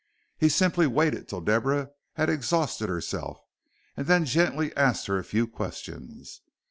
He simply waited till Deborah had exhausted herself, and then gently asked her a few questions.